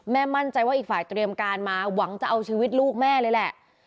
มั่นใจว่าอีกฝ่ายเตรียมการมาหวังจะเอาชีวิตลูกแม่เลยแหละ